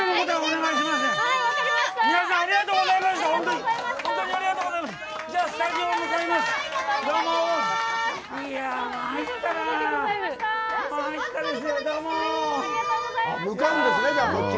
どうも！